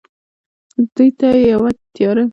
دوی ته یو تیاره راتلونکی ور په برخه شو